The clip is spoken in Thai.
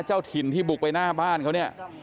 เจ้าถิ่นที่บุกไปหน้าบ้านเขาเนี่ย